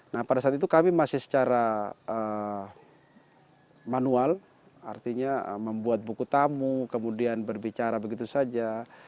nah pada saat itu kami masih secara manual artinya membuat buku tamu kemudian berbicara begitu saja